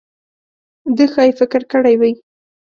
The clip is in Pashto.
ده ښايي فکر کړی وي.